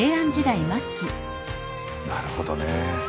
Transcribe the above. なるほどね。